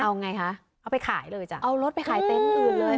เอาไงคะเอาไปขายเลยจ้ะเอารถไปขายเต็นต์อื่นเลย